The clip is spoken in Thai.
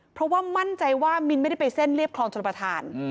เพราะว่ามั่นใจว่ามินไม่ได้ไปเส้นเรียบคลองชนประธาน